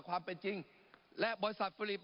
ปรับไปเท่าไหร่ทราบไหมครับ